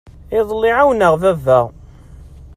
Iḍelli ɛawneɣ baba.